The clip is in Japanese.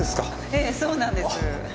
ええそうなんです。